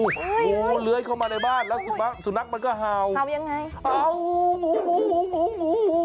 งูเลื้อยเข้ามาในบ้านแล้วสุนัขมันก็เห่าเห่ายังไงเห่างูหมูหมู